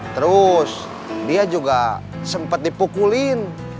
terus dia juga sempat dipukulin